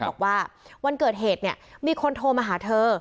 บอกว่าวันเกิดเหตุเนี่ยมีคนโทรมาหาเธอ